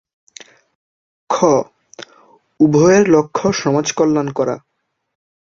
খ. উভয়ের লক্ষ্য সমাজকল্যাণ করা